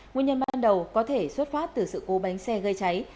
nguyên nhân ban đầu có thể xuất phát từ sự cố bánh xe gây cháy